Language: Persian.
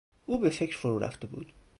او به فکر فرو رفته بود.